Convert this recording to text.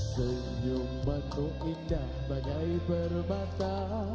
senyum batu indah bagai perbatas